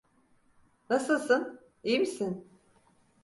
Nasılsın, iyi misin?